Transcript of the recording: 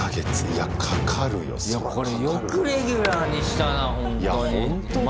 いやこれよくレギュラーにしたなほんとに。